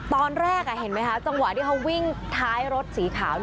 ตอนแรกเห็นไหมคะจังหวะที่เขาวิ่งท้ายรถสีขาว